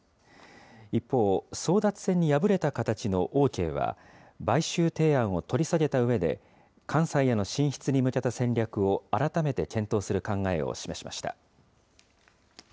一方、争奪戦に敗れた形のオーケーは、買収提案を取り下げたうえで、関西への進出に向けた戦略を改めて検討する考えを示しました。